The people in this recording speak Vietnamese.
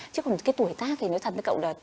chứ còn cái tuổi ta thì nói thật với cậu là